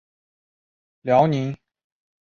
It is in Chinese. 辽宁冠蛭蚓为蛭蚓科冠蛭蚓属的动物。